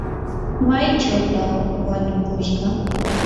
¿maychawtaq wanukushqa?